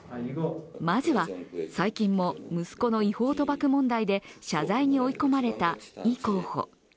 まずは、最近も息子の違法賭博問題で謝罪に追い込まれたイ候補。